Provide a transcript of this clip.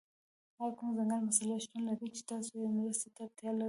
ایا کومه ځانګړې مسله شتون لري چې تاسو یې مرستې ته اړتیا لرئ؟